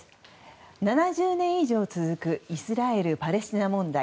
７０年以上続くイスラエル・パレスチナ問題。